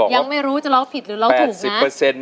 ยังไม่รู้จะร้องผิดหรือร้องถูก๑๐